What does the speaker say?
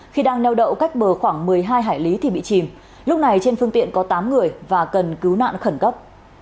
khi đang neo đậu cách bờ khoảng một mươi hai hải lý thì bị chìm lúc này trên phương tiện có tám người và cần cứu nạn khẩn cấp